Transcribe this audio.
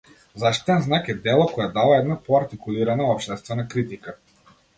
Заштитен знак е дело кое дава една поартикулирана општествена критика.